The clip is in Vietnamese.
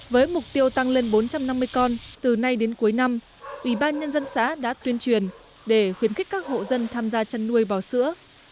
với mục tiêu tăng lên bốn trăm năm mươi con từ nay đến cuối năm ủy ban nhân dân xã đã tuyên truyền để khuyến khích các hộ dân tham gia chăn nuôi bò sữa